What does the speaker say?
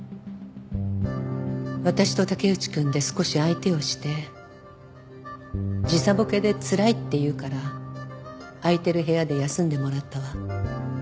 私と竹内くんで少し相手をして時差ボケでつらいって言うから空いている部屋で休んでもらったわ。